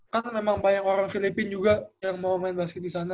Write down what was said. kan memang banyak orang filipina juga yang mau main basket di sana